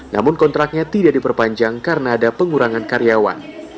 namun kontraknya tidak diperpanjang karena ada pengurangan karyawan